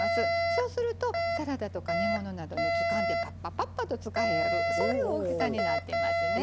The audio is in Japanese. そうするとサラダとか煮物などにつかんでパッパパッパと使えるそういう大きさになってますね。